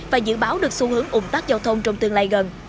và dự báo được xu hướng ủng tác giao thông trong tương lai gần